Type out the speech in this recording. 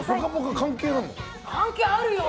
関係あるよ！